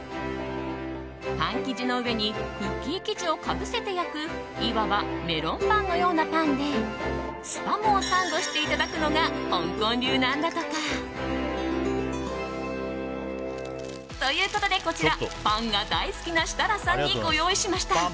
パン生地の上にクッキー生地をかぶせて焼くいわばメロンパンのようなパンでスパムをサンドしていただくのが香港流なんだとか。ということでこちらパンが大好きな設楽さんにご用意しました。